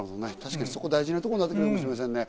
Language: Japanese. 大事なところになってくるかもしれませんね。